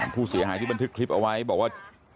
ผู้เสียหายที่บันทึกคลิปเอาไว้บอกว่า